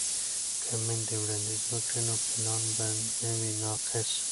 که میندې وړاندیز وکړي نو پلان به نه وي ناقص.